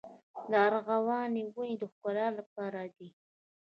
د ارغوان ونې د ښکلا لپاره دي؟